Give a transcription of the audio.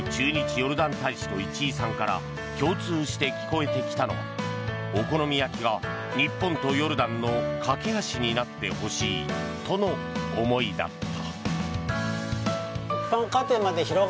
ヨルダン大使と市居さんから共通して聞こえてきたのはお好み焼きが日本とヨルダンの懸け橋になってほしいとの思いだった。